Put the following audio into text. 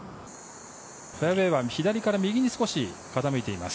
フェアウエーは左から右に少し傾いています。